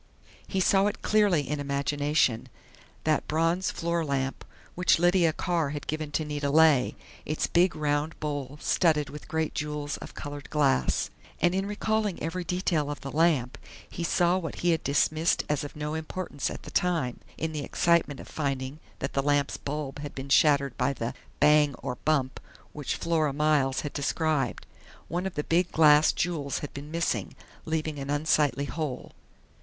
_ He saw it clearly in imagination that bronze floor lamp which Lydia Carr had given to Nita Leigh, its big round bowl studded with great jewels of colored glass. And in recalling every detail of the lamp he saw what he had dismissed as of no importance at the time, in the excitement of finding that the lamp's bulb had been shattered by the "bang or bump" which Flora Miles had described. _One of the big glass jewels had been missing, leaving an unsightly hole.